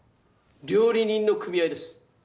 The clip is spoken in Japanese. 料理人の組合です